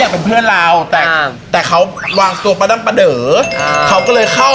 กลัวว่าเขาจะแบบว่า